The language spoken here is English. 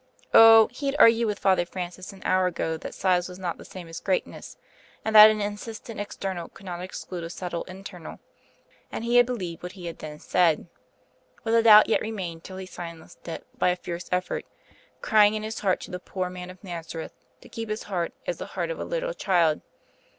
Oh, he had argued with Father Francis an hour ago that size was not the same as greatness, and that an insistent external could not exclude a subtle internal; and he had believed what he had then said; but the doubt yet remained till he silenced it by a fierce effort, crying in his heart to the Poor Man of Nazareth to keep his heart as the heart of a little child.